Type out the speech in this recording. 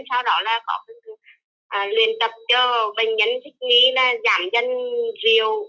sau đó là liên tập cho bệnh nhân dịch mi là giảm dân rượu